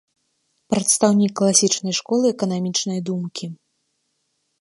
Прадстаўнік класічнай школы эканамічнай думкі.